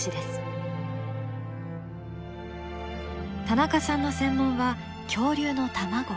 田中さんの専門は恐竜の卵。